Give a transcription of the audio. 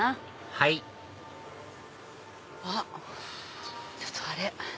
はいあっちょっとあれ。